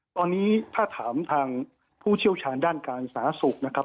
ตอนนี้ถ้าถามทางผู้เชี่ยวชาญในการศาสตร์สูตรนะครับ